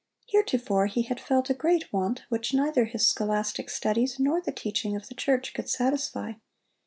Heretofore he had felt a great want, which neither his scholastic studies nor the teaching of the church could satisfy.